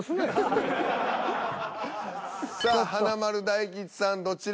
さあ華丸・大吉さんどちら。